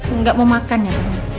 enggak mau makan ya